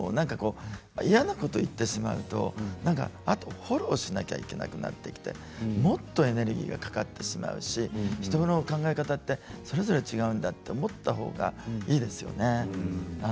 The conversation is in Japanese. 嫌なことを言ってしまうとあとでフォローしなければいけなくなったりもっとエネルギーがかかってしまうし人の考え方はそれぞれ違うんだと思ったほうがいいですよね。